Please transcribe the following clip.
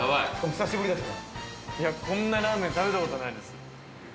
こんなラーメン食べたことないです。